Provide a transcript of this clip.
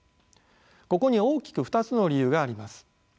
ここに大きく２つの理由があります。